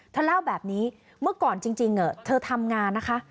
เธอเล่าแบบนี้เมื่อก่อนจริงเธอทำงานนะคะ